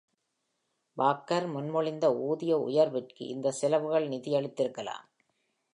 Walker முன்மொழிந்த ஊதிய உயர்வுக்கு இந்த செலவுகள் நிதியளித்திருக்கலாம்.